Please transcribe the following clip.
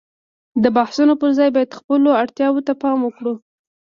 د بحثونو پر ځای باید خپلو اړتياوو ته پام وکړو.